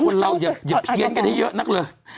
คนเราอย่าเพี้ยนกันให้เยอะนักเลย